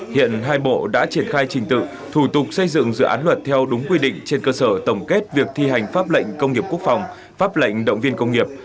hiện hai bộ đã triển khai trình tự thủ tục xây dựng dự án luật theo đúng quy định trên cơ sở tổng kết việc thi hành pháp lệnh công nghiệp quốc phòng pháp lệnh động viên công nghiệp